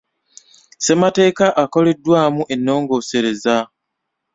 Ssemateeka akoleddwamu ennongoosereza.